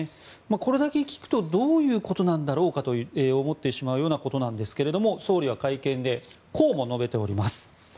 これだけ聞くとどういうことなんだろうと思ってしまうようなことなんですが、総理は会見でこうも述べております。